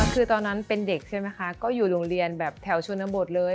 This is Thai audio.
คือตอนนั้นเป็นเด็กใช่ไหมคะก็อยู่โรงเรียนแบบแถวชนบทเลย